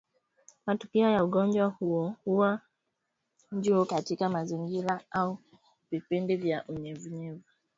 Matukio ya ugonjwa huu huwa juu katika mazingira au vipindi vya unyevunyevu na majimaji